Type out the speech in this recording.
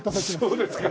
そうですか。